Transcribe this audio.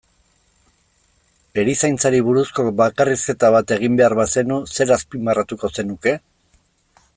Erizaintzari buruzko bakarrizketa bat egin behar bazenu, zer azpimarratuko zenuke?